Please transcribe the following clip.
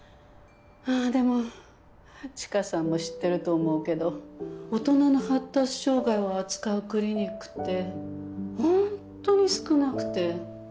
ああでも知花さんも知ってると思うけど大人の発達障害を扱うクリニックってホントに少なくて。